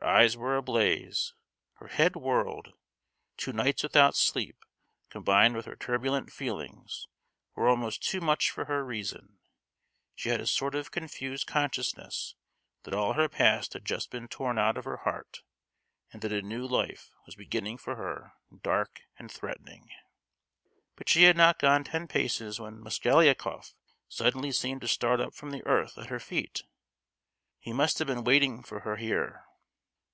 Her eyes were ablaze, her head whirled. Two nights without sleep, combined with her turbulent feelings, were almost too much for her reason; she had a sort of confused consciousness that all her past had just been torn out of her heart, and that a new life was beginning for her, dark and threatening. But she had not gone ten paces when Mosgliakoff suddenly seemed to start up from the earth at her feet. He must have been waiting for her here.